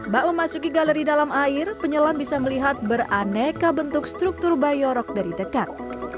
bak memasuki galeri dalam air penyelam bisa melihat beraneka bentuk struktur bayorok dari dekat